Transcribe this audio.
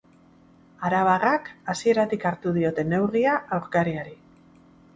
Arabarrak hasieratik hartu diote neurria aurkariari.